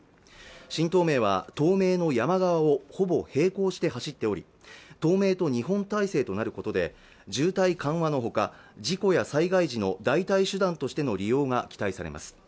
新東名は透明の山側をほぼ平行して走っており東名と２本体制となることで渋滞緩和のほか事故や災害時の代替手段としての利用が期待されます